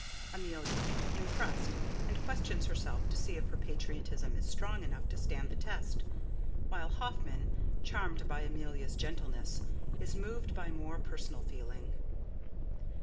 Amelia: [_Impressed, and questions herself to see if her patriotism is strong enough to stand the test, while Hoffman, charmed by Amelia's gentleness, is moved by more personal feeling.